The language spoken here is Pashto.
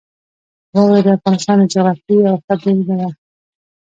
واوره د افغانستان د جغرافیې یوه ښه بېلګه ده.